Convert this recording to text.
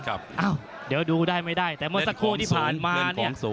เดี๋ยวดูได้ไม่ได้แต่เมื่อสักครู่ที่ผ่านมาเนี่ย